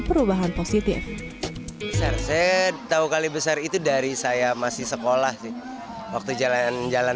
perubahan positif besar saya tahu kali besar itu dari saya masih sekolah sih waktu jalan jalan